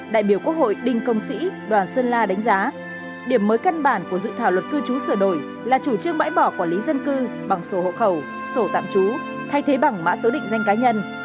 đại biểu quốc hội đinh công sĩ đoàn sơn la đánh giá điểm mới căn bản của dự thảo luật cư trú sửa đổi là chủ trương bãi bỏ quản lý dân cư bằng sổ hộ khẩu sổ tạm trú thay thế bằng mã số định danh cá nhân